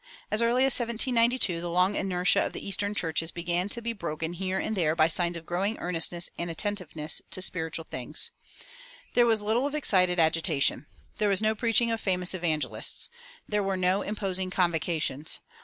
As early as 1792 the long inertia of the eastern churches began to be broken here and there by signs of growing earnestness and attentiveness to spiritual things. There was little of excited agitation. There was no preaching of famous evangelists. There were no imposing convocations.